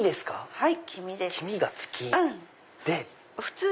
はい。